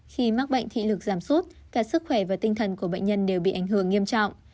khi mắc bệnh thị lực giảm suốt cả sức khỏe và tinh thần của bệnh nhân đều bị ảnh hưởng nghiêm trọng